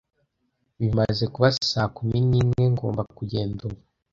Bimaze kuba saa kumi n'imwe. Ngomba kugenda ubu.